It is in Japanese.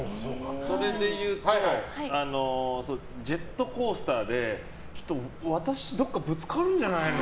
それで言うとジェットコースターでちょっと私、どっかぶつかるんじゃないの？